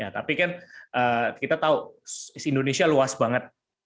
tapi kan kita tahu indonesia luas banget